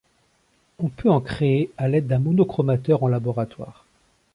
On peut en créer à l'aide d'un monochromateur en laboratoire.